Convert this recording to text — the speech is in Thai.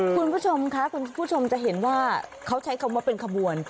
คุณผู้ชมค่ะคุณผู้ชมจะเห็นว่าเขาใช้คำว่าเป็นขบวน